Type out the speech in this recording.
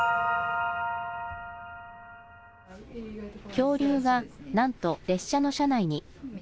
恐竜が、なんと列車の車内に。